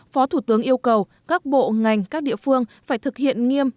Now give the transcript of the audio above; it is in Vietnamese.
phó thủ tướng yêu cầu các bộ ngành các địa phương phải thực hiện nghiêm